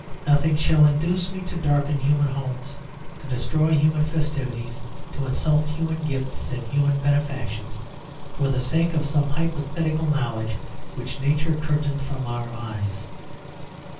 Nothing shall induce me to darken human homes, to destroy human festivities, to insult human gifts and human benefactions for the sake of some hypothetical knowledge which Nature curtained from our eyes.